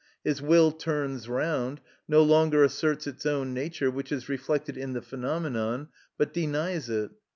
His will turns round, no longer asserts its own nature, which is reflected in the phenomenon, but denies it.